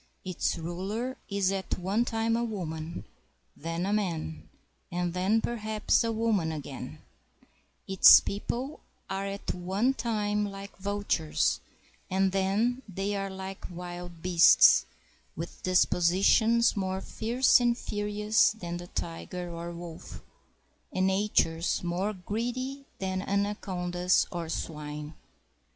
Its ruler is at one time a woman, then a man, and then perhaps a woman again ; its people are at one time like vultures, and then they are Hke wild beasts, with dispositions more fierce and furious than the tiger or wolf, and natures more greedy than anacondas or swine.